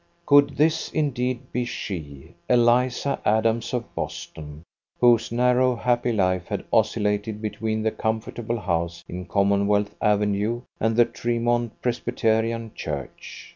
Could this indeed be she, Eliza Adams, of Boston, whose narrow, happy life had oscillated between the comfortable house in Commonwealth Avenue and the Tremont Presbyterian Church?